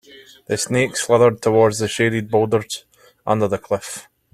The snake slithered toward the shaded boulders under the cliff.